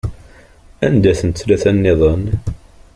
Anda-tent tlata-nniḍen?